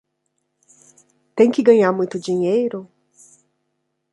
Tem que ganhar muito dinheiro?